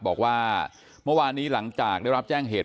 บอกว่าเมื่อวานนี้หลังจากได้รับแจ้งเหตุ